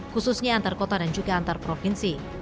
khususnya antar kota dan juga antar provinsi